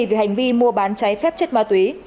về hành vi mua bán trái phép chất ma túy